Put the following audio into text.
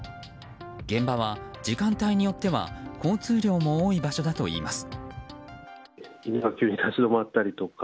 現場は時間帯によっては交通量も多い場所だといいます。